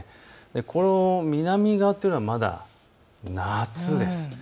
この南側というのはまだ夏です。